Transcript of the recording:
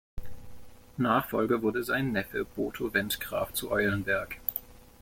Nachfolger wurde sein Neffe Botho Wendt Graf zu Eulenburg.